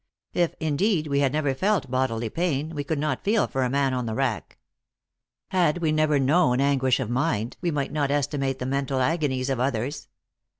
If, indeed, we had never felt bodily pain, we could not feel for a man on the rack. Had we never known anguish of mind, we might not estimate the mental agonies of others.